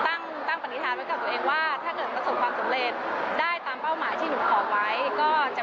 ตั้งตั้งปณิธานไว้กับตัวเองว่าถ้าเกิดประสบความสำเร็จได้ตามเป้าหมายที่หนูขอไว้ก็จะ